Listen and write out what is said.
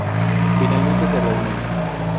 Finalmente se reúnen.